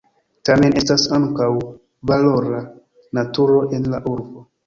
Tamen estas ankaŭ valora naturo en la urbo.